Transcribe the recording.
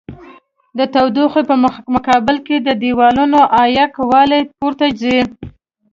د تودوخې په مقابل کې د دېوالونو عایق والي پورته ځي.